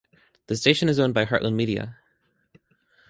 The station is owned by Heartland Media.